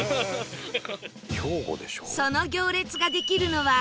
その行列ができるのは